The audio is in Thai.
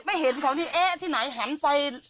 เห็นเขานี่เอ๊ะที่ไหนหันไป